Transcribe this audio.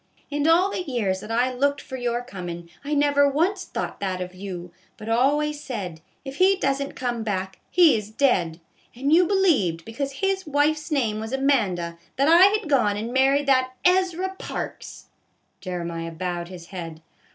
In all the years that I looked for your comin', I never once thought that of you, but always said, if he does n't come back, he is dead ; and you believed, because his wife's name was Amanda, that I had gone and married that Ezra Parks !" Jeremiah bowed his head.